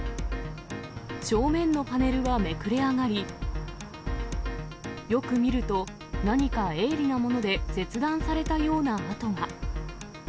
正面のパネルはめくれ上がり、よく見ると、何か鋭利なもので切断されたような跡が。